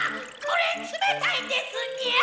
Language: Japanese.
これ冷たいんですニャ！